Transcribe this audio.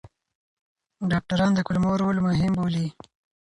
ډاکټران د کولمو رول مهم بولي.